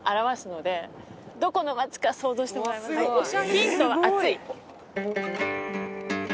ヒントは暑い。